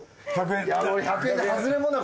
１００円。